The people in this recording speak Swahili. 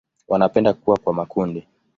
Wanapenda kuwa kwa makundi.